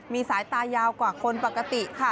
มีสายตายาวกว่าคนปกติค่ะ